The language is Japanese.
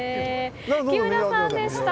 木村さんでした。